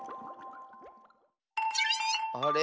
あれ？